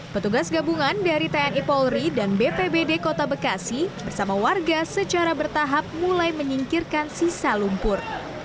petugas gabungan dari tni polri dan bpbd kota bekasi bersama warga secara bertahap mulai menyingkirkan sisa lumpur